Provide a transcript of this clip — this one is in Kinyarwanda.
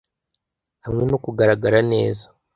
hamwe no kugaragara neza